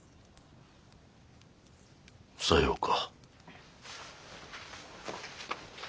さようか。